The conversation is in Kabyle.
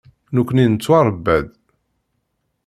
Nekkni nettwaṛebba-d.